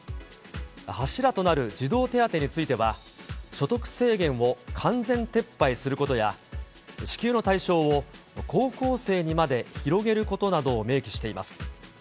柱となる児童手当については、所得制限を完全撤廃することや、支給の対象を高校生にまで広げることなどを明記しています。